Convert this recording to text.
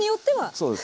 そうです。